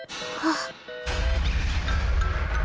あっ！